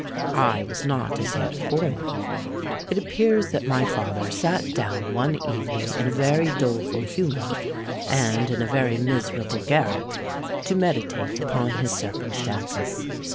I was not as yet born. It appears that my father sate down one evening in a very doleful humour, and in a very miserable garret, to meditate upon his circumstances.